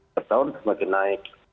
setahun semakin naik